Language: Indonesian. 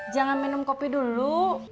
jangan minum kopi dulu